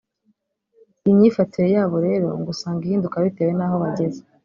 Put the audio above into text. iyi myifatire yabo rero ngo usanga ihinduka bitewe naho bageze